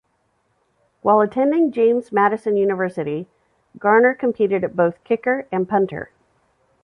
While attending James Madison University, Garner competed at both, kicker and punter.